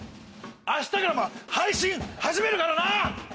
明日から配信始めるからな！